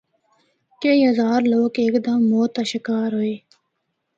کئی ہزار لوگ ہک دم موت دا شکار ہوئے۔